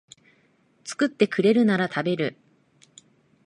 作ってくれるなら食べる